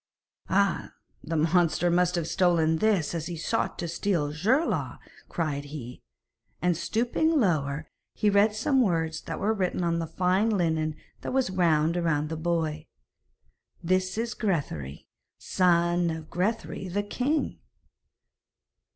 'Ah! the monster must have stolen this as he sought to steal Geirlaug,' cried he. And stooping lower, he read some words that were written on the fine linen that was wound round the boy. 'This is Grethari, son of Grethari the king!'